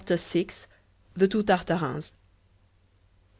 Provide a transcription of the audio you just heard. VI. The two Tartarins.